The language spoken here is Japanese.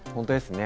本当ですね。